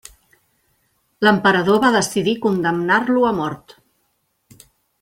L'emperador va decidir condemnar-lo a mort.